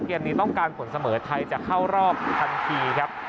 เกมนี้ต้องการผลเสมอไทยจะเข้ารอบทันทีครับ